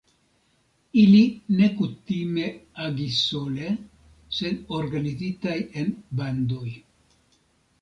Ili ne kutime agis sole, sed organizitaj en bandoj.